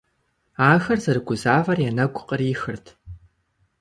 Ахэр зэрыгузавэр я нэгу кърихырт.